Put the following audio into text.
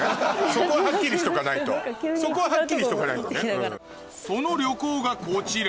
そこははっきりしとかないとそこははっきりしとかないとね。